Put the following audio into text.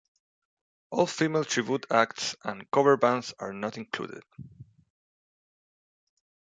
All-female tribute acts and cover bands are not included.